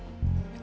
ya minjem duit itu